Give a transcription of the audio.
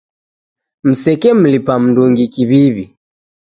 Msekemlipa mndungi kiw'iw'i